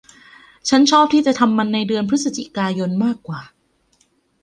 ฉันชอบที่จะทำมันในเดือนพฤศจิกายนมากว่า